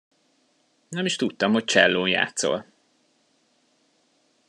Nem is tudtam, hogy csellón játszol.